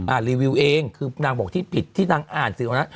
รีวิวเองคือนางบอกที่ผิดที่นางอ่านสิวนะ